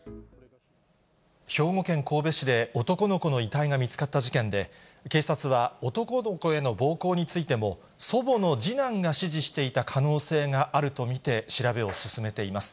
兵庫県神戸市で男の子の遺体が見つかった事件で、警察は、男の子への暴行についても、祖母の次男が指示していた可能性があると見て、調べを進めています。